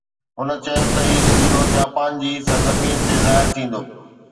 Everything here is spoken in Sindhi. هن چيو ته هي زلزلو جاپان جي سرزمين تي ظاهر ٿيندو.